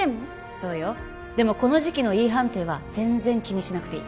そうよでもこの時期のＥ判定は全然気にしなくていい